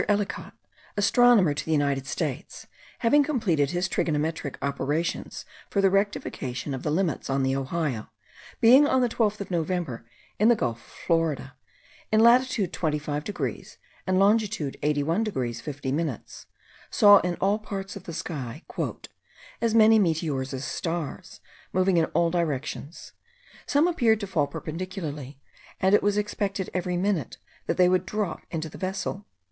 Ellicot, astronomer to the United States, having completed his trigonometric operations for the rectification of the limits on the Ohio, being on the 12th of November in the gulf of Florida, in latitude 25 degrees, and longitude 81 degrees 50 minutes, saw in all parts of the sky, "as many meteors as stars, moving in all directions. Some appeared to fall perpendicularly; and it was expected every minute that they would drop into the vessel."